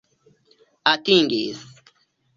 atingis